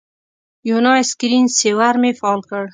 یو نوی سکرین سیور مې فعال کړ.